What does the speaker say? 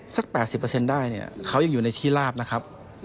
สัก๘๐ได้เนี่ยเขายังอยู่ในที่ลาบนะครับ